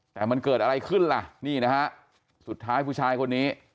แต่มันเกิดอะไรขึ้นล่ะนี่นะฮะสุดท้ายผู้ชายคนนี้